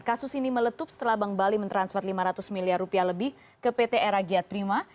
kasus ini meletup setelah bank bali mentransfer lima ratus miliar rupiah lebih ke pt era giat prima